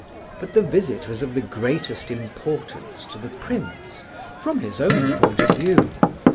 But the visit was of the greatest importance to the prince, from his own point of view.